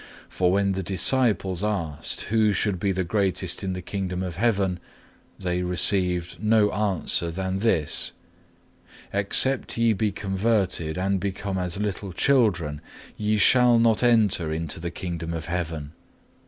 For when the disciples asked who should be the greatest in the Kingdom of Heaven, they received no other answer than this, _Except ye be converted and become as little children, ye shall not enter into the Kingdom of Heaven.